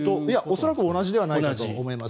恐らく同じじゃないかと思います。